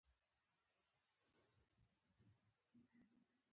نه یې وایم، منې خو؟